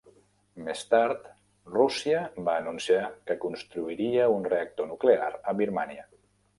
Més tard, Russia va anunciar que construiria un reactor nuclear a Birmània.